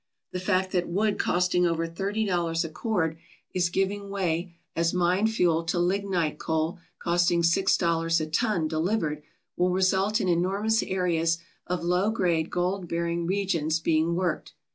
The fact that wood costing over thirty dollars a cord is giving way as mine fuel to lignite coal costing six dollars a ton, delivered, will result in enormous areas of low grade gold bearing regions being worked.